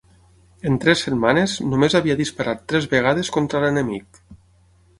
En tres setmanes només havia disparat tres vegades contra l'enemic